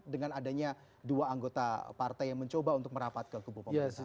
dengan adanya dua anggota partai yang mencoba untuk merapat ke kubu pemerintah